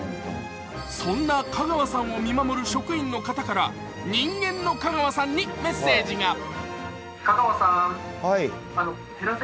そんな香川さんを見守る職員の方から人間の香川さんにメッセージが。